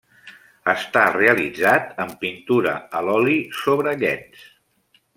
Està realitzat en pintura a l’oli sobre llenç.